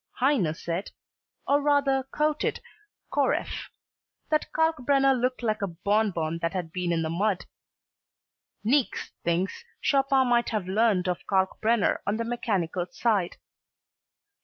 Heine said or rather quoted Koreff that Kalkbrenner looked like a bonbon that had been in the mud. Niecks thinks Chopin might have learned of Kalkbrenner on the mechanical side.